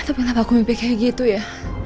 tapi kenapa aku mimpi kayak gitu ya